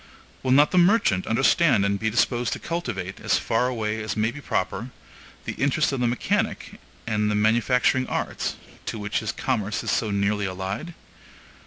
Will not the merchant understand and be disposed to cultivate, as far as may be proper, the interests of the mechanic and manufacturing arts, to which his commerce is so nearly allied?